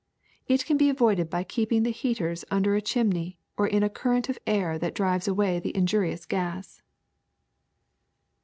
It can be avoided by keeping the heaters under a chimney or in a current of air that drives away the injurious gas.''